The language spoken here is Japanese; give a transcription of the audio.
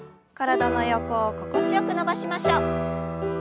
体の横を心地よく伸ばしましょう。